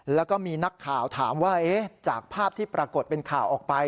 แล้วก็มีนักข่าวถามว่าจากภาพที่ปรากฏเป็นข่าวออกไป